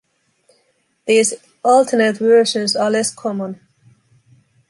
These alternate versions are less common.